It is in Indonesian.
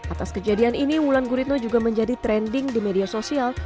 atas kejadian ini wulan guritno juga menjadi trending di media sosial